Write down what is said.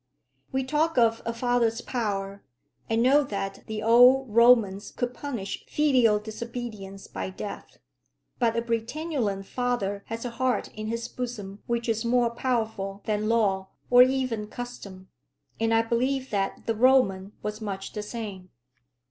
We talk of a father's power, and know that the old Romans could punish filial disobedience by death; but a Britannulan father has a heart in his bosom which is more powerful than law or even custom, and I believe that the Roman was much the same.